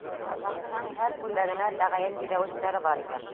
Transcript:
Баҡһаң, һәр күлдәгенә тәғәйен биҙәүестәре бар икән.